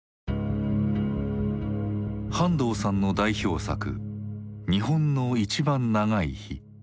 半藤さんの代表作「日本のいちばん長い日」。